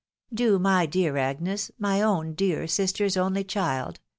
Do, my dear Agnes — ^my own dear sister's only child